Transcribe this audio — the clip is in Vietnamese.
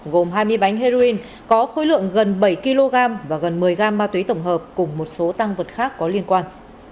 gồm hai mươi bánh heroin có khối lượng gần bảy kg và gần một mươi gram ma túy tổng hợp cùng một số tăng vật khác có liên quan